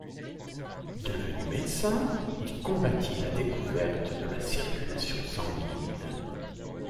Devenu médecin, il combattit la découverte de la circulation sanguine.